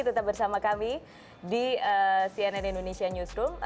tetap bersama kami di cnn indonesia newsroom